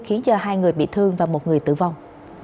khiến cho hai người bị thương và một người tử vong